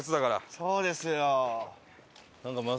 そうですよ。